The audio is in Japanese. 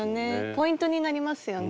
ポイントになりますよね。